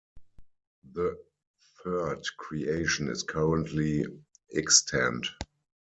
The third creation is currently extant.